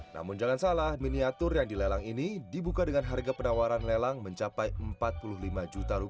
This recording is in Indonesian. namun jangan salah miniatur yang dilelang ini dibuka dengan harga penawaran lelang mencapai rp empat puluh lima juta